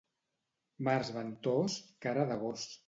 Març ventós, cara de gos.